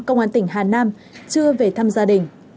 công an tỉnh hà nam chưa về thăm gia đình